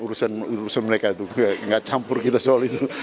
urusan urusan mereka itu nggak campur kita soal itu